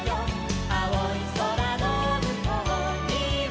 「あおいそらのむこうには」